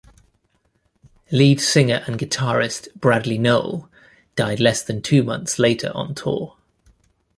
Lead singer and guitarist Bradley Nowell died less than two months later on tour.